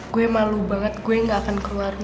gue malu banget gue gak akan keluar